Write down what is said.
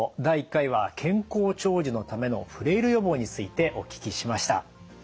第１回は「健康長寿」のためのフレイル予防についてお聞きしました。